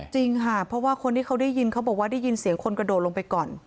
จริงค่ะเพราะว่าคนที่เขาได้ยินเขาบอกว่าได้ยินเสียงคนกระโดดลงไปก่อน